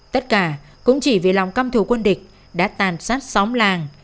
tất cả cũng chỉ vì lòng căm thủ quân địch đã tàn sát xóm làng